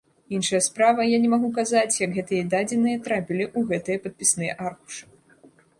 Іншая справа, я не магу казаць, як гэтыя дадзеныя трапілі ў гэтыя падпісныя аркушы.